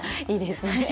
いいですね。